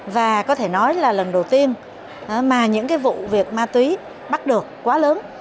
và có thể nói là lần đầu tiên mà những cái vụ việc ma túy bắt được quá lớn